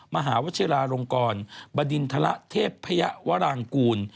มหาวชิลาลงกรบดินทรเทพพยวรางกูล